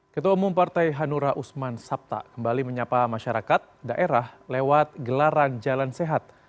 ketua umum partai hanura usman sabta kembali menyapa masyarakat daerah lewat gelaran jalan sehat